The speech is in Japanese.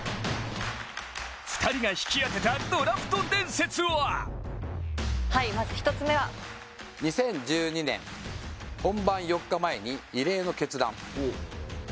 ２人が引き当てたドラフト伝説はまず１つ目は２０１２年、本番４日前に異例の決断。